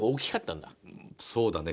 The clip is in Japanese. そうだね。